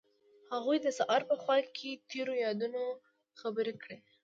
هغوی د سهار په خوا کې تیرو یادونو خبرې کړې.